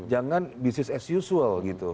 jangan business as usual gitu